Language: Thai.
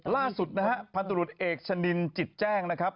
ล่าสุดนะฮะพันธุรกิจเอกชนินจิตแจ้งนะครับ